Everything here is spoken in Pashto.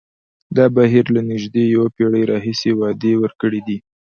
دا بهیر له نژدې یوه پېړۍ راهیسې وعدې ورکړې دي.